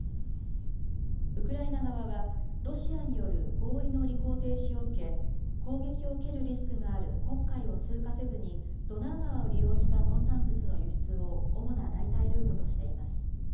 ウクライナ側は、ロシアによる合意の履行停止を受け、攻撃を受けるリスクがある黒海を通過せずに、ドナウ川を利用した農産物の輸出を主な代替ルートとしています。